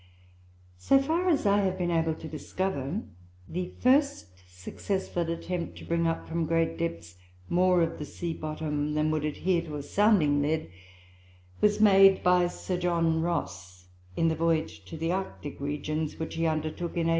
So far as I have been able to discover, the first successful attempt to bring up from great depths more of the sea bottom than would adhere to a sounding lead, was made by Sir John Ross, in the voyage to the Arctic regions which he undertook in 1818.